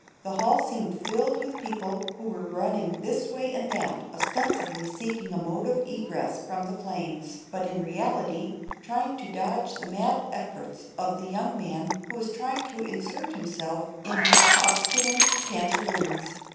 The hall seemed filled with people, who were running this way and that, ostensibly seeking a mode of egress from the flames, but in reality trying to dodge the mad efforts of the young man, who was trying to insert himself in his obstinate pantaloons.